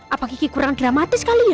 apa kiki kurang dramatis kali ya